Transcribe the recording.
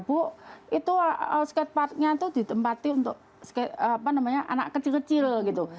bu itu skateparknya tuh ditempati untuk apa namanya anak kecil kecil gitu